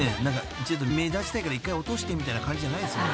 ［目立ちたいから１回落としてみたいな感じじゃないですよね］